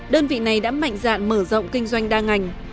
đơn vị này đã mạnh dạn mở rộng kinh doanh đa ngành